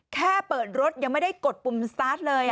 แค่เปิดรถยังไม่ได้กดปุ่มสตาร์ทเลย